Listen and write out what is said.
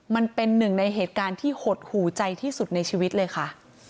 มันเป็นหนึ่งในเหตุการณ์ที่หดหูใจที่สุดในชีวิตเลยค่ะ